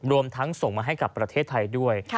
รวมทั้งส่งมาให้กับประเทศไทยด้วย